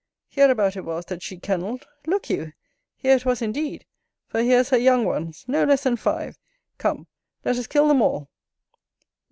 hereabout it was that she kennelled; look you! here it was indeed; for here's her young ones, no less than five: come, let us kill them all.